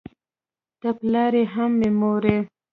ته پلار یې هم مې مور